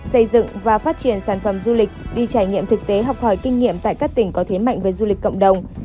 xây dựng và phát triển sản phẩm du lịch đi trải nghiệm thực tế học hỏi kinh nghiệm tại các tỉnh có thế mạnh về du lịch cộng đồng